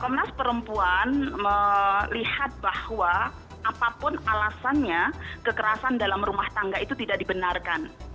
komnas perempuan melihat bahwa apapun alasannya kekerasan dalam rumah tangga itu tidak dibenarkan